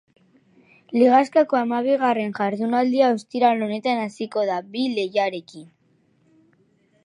Ligaxkako hamabigarren jardunaldia ostiral honetan hasiko da bi lehiarekin.